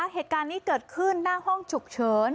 เหตุการณ์นี้เกิดขึ้นหน้าห้องฉุกเฉิน